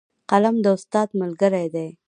قلم د استاد ملګری دی